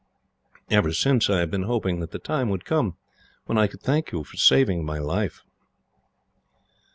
Ever since I have been hoping that the time would come when I could thank you for saving my life."